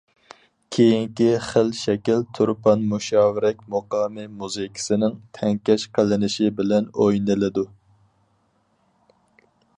كېيىنكى خىل شەكىل تۇرپان مۇشاۋىرەك مۇقامى مۇزىكىسىنىڭ تەڭكەش قىلىنىشى بىلەن ئوينىلىدۇ.